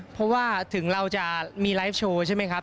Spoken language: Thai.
เพราะว่าถึงเราจะมีไลฟ์โชว์ใช่ไหมครับ